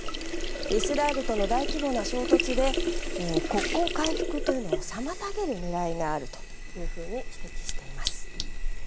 イスラエルとの大規模な衝突で国交回復というのを妨げる狙いがあると指摘しています。